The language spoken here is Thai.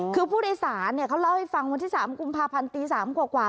คือผู้โดยสารเขาเล่าให้ฟังวันที่๓กุมภาพันธ์ตี๓กว่า